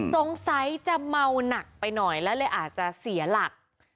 สงสัยจะเมาหนักไปหน่อยและเลยอาจจะเสียหลัก